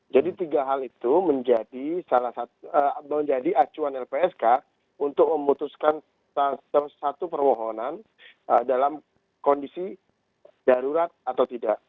jadi tiga hal itu menjadi acuan lpsk untuk memutuskan satu permohonan dalam kondisi darurat atau tidak